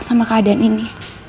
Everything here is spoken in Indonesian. sama keadaan ini